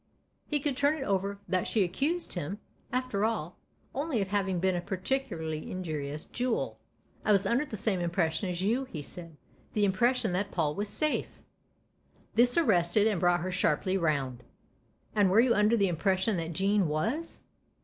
He could turn it over that she accused him, after all, only of having been a particularly injurious jool. " I was under the same impression as you," he said " the impression that Paul was safe." This arrested and brought her sharply round, "And were you under the impression that Jean was